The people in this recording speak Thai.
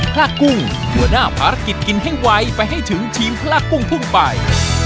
พระกุ้งหัวหน้าภารกิจกินให้ไวไปให้ถึงทีมพลากุ้งพุ่งไป